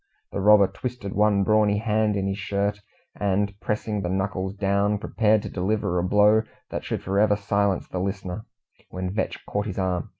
The robber twisted one brawny hand in his shirt, and pressing the knuckles down, prepared to deliver a blow that should for ever silence the listener, when Vetch caught his arm.